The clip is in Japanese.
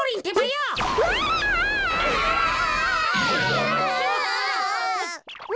うわ！